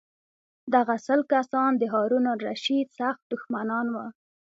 دغه سل کسان د هارون الرشید سخت دښمنان وو.